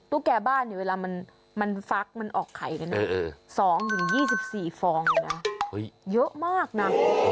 ตู้แก่บ้านเวลามันฟักมันออกไข่กัน๒ถึง๒๔ฟองนะเยอะมากน่ะ